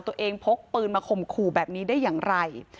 ตัวเองพกปืนมาขมขู่แบบนี้ได้อย่างไร